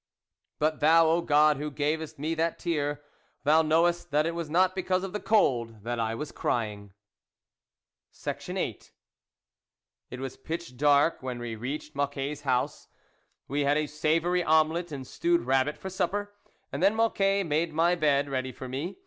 But Thou, O God, who gavest me that tear, Thou knowest that it was not because of the cold that I was crying. VIII IT was pitch dark when we reached Mocquet's house. We had a savoury omelette and stewed rabbit for supper, and then Mocquet made my bed ready for me.